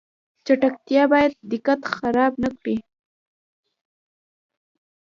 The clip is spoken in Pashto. چټکتیا باید دقت خراب نکړي